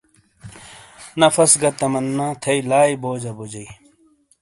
نفس گہ تمنا تھئیی لائی بو جا ائیی۔